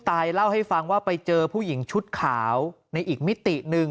เล่าให้ฟังว่าไปเจอผู้หญิงชุดขาวในอีกมิติหนึ่ง